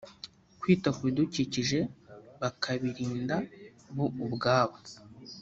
kwita ku bidukikije bakabirinda bo ubwabo